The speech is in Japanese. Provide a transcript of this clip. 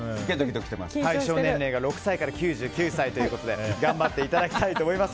対象年齢が６歳から９９歳ということで頑張っていただきたいと思います。